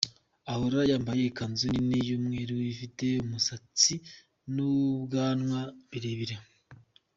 Ahora yambaye ikanzu nini y’umweru, afite umusatsi n’ubwanwa birebire.